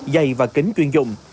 giày và kính chuyên dụng